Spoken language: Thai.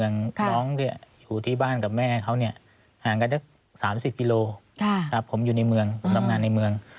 น้องอยู่ที่บ้านกับแม่เขาเนี่ยห่างกันสัก๓๐กิโลผมอยู่ในเมืองผมทำงานในเมือง